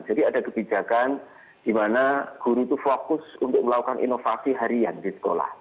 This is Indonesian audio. jadi ada kebijakan di mana guru itu fokus untuk melakukan inovasi harian di sekolah